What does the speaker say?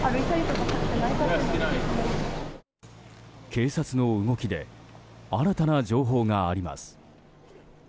警察の動きで新たな情報があります。